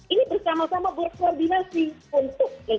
ini bersama sama berkoordinasi untuk